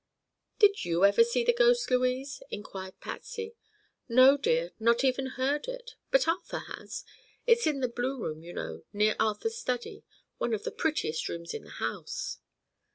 "Have you ever seen the ghost, Louise?" inquired Patsy. "No, dear, nor even heard it. But Arthur has. It's in the blue room, you know, near Arthur's study—one of the prettiest rooms in the house."